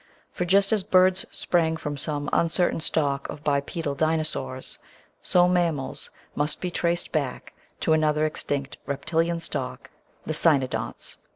For just as Birds sprang from some un certain stock of bipedal Dinosaurs, so Mammals must be traced back to another extinct Reptilian stock — the Cjmodonts.